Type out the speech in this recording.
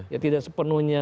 ya tidak sepenuhnya